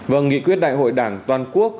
vâng nghị quyết đại hội đảng toàn quốc